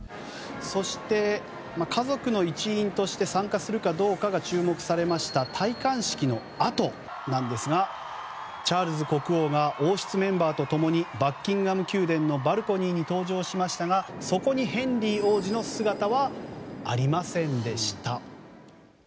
そして、家族の一員として参加するかどうかが注目されました戴冠式のあとなんですがチャールズ国王が王室メンバーと共にバッキンガム宮殿のバルコニーに登場しましたがそこにヘンリー王子の姿はありませんでした。